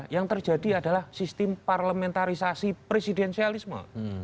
yang terjadi adalah sistem parlementarisasi presidensialisme